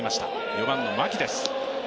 ４番の牧です。